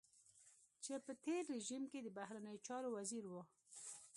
چې په تېر رژيم کې د بهرنيو چارو وزير و.